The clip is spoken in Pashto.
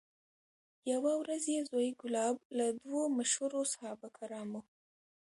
یوه ورځ یې زوی کلاب له دوو مشهورو صحابه کرامو